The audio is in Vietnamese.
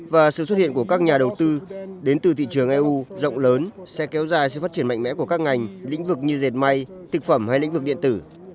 và sự xuất hiện của các nhà đầu tư đến từ thị trường eu rộng lớn sẽ kéo dài sự phát triển mạnh mẽ của các ngành lĩnh vực như dệt may thực phẩm hay lĩnh vực điện tử